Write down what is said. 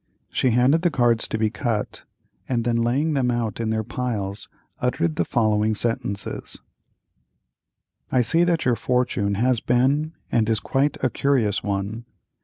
She handed the cards to be cut, and then laying them out in their piles, uttered the following sentences: "I see that your fortune has been and is quite a curious one.